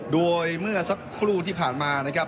โดยเมื่อสักครู่ที่ผ่านมานะครับ